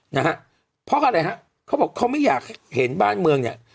นะฮะเพราะอะไรฮะเขาบอกเขาไม่อยากให้เห็นบ้านเมืองเนี่ย